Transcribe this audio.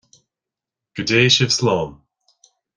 Go dté sibh slán